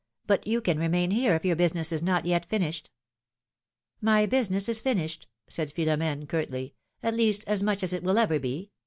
But you can remain here if your business is not yet finished." '^My business is finished," said Philom^ne, curtly, ^^at least as much as it will ever be.